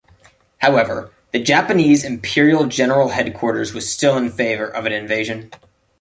However, the Japanese Imperial General Headquarters was still in favor of an invasion.